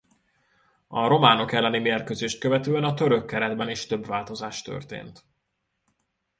A románok elleni mérkőzést követően a török keretben is több változás történt.